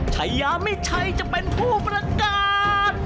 ชายามิดชัยจะเป็นผู้ประกาศ